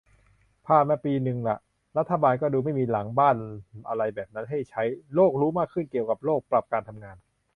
ผ่านมาปีนึงละ รัฐบาลก็ดูไม่มีหลังบ้านอะไรแบบนั้นให้ใช้ โลกรู้มากขึ้นเกี่ยวกับโรค ปรับการทำงาน